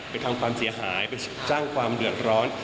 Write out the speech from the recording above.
ทำความเสียหายไปสร้างความเดือดร้อน